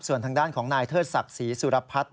ส่วนทางด้านของนายเทิดศักดิ์ศรีสุรพัฒน์